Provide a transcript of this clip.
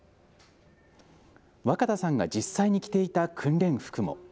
若田さんが実際に着ていた訓練服も。